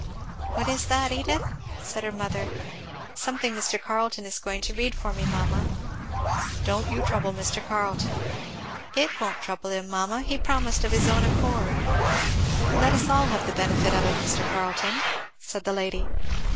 "What is that, Edith?" said her mother. "Something Mr. Carleton is going to read for me, mamma." "Don't you trouble Mr. Carleton." "It won't trouble him, mamma he promised of his own accord." "Let us all have the benefit of it, Mr. Carleton," said the lady.